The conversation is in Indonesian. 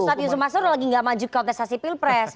ustadz yusuf mansur lagi enggak maju ke otisasi pilpres